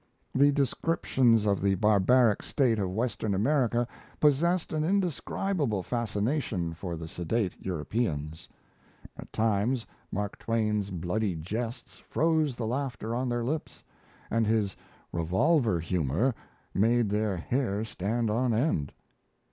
The descriptions of the barbaric state of Western America possessed an indescribable fascination for the sedate Europeans. At times Mark Twain's bloody jests froze the laughter on their lips; and his "revolver humour" made their hair stand on end.